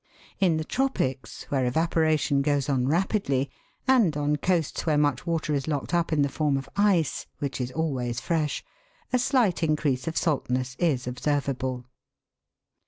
, In the tropics, where evaporation goes on rapidly, and on coasts where much water is locked up in the form of ice, which is always fresh, a slight increase of saltness is observ able.